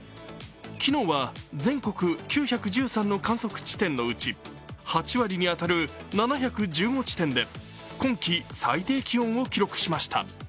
昨日は全国９１３の観測地点のうち、８割に当たる７１５地点で今季最低気温を記録しました。